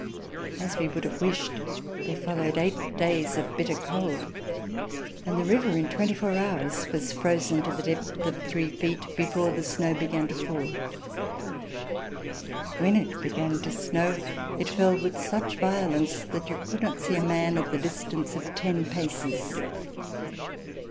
As we would have wished, there followed eight days of hitter cold, and the river in twenty four hours was frozen to the depth of three feet before the snow began to fall. When it began to snow, it fell with such violence that you could not see a man at the distance of ten paces.